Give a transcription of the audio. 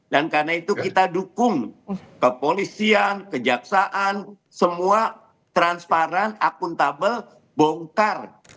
dan karena itu kita dukung kepolisian kejaksaan semua transparan akuntabel bongkar